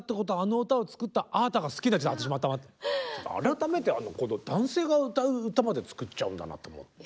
改めて男性が歌う歌まで作っちゃうんだなと思って。